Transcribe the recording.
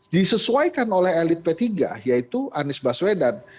disesuaikan oleh elit p tiga yaitu anies baswedan